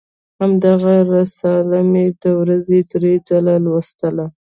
همدغه رساله مې د ورځې درې ځله لوستله.